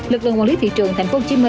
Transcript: lực lượng quản lý thị trường tp hcm